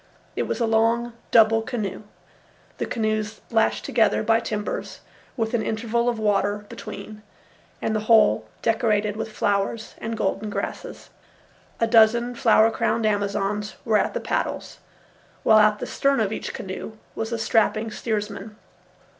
It was a long double canoe, the canoes lashed together by timbers with an interval of water between, and the whole decorated with flowers and golden grasses. A dozen flower crowned Amazons were at the paddles, while at the stern of each canoe was a strapping steersman.